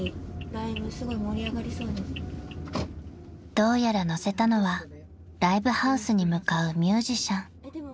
［どうやら乗せたのはライブハウスに向かうミュージシャン］